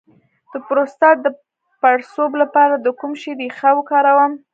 د پروستات د پړسوب لپاره د کوم شي ریښه وکاروم؟